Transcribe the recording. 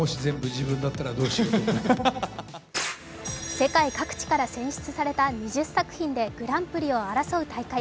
世界各地から選出された２０作品でグランプリを争う大会。